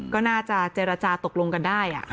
ก็น่าจะเจรจาตกลงกันได้